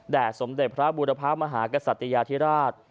สมเด็จพระบูรพมหากษัตยาธิราช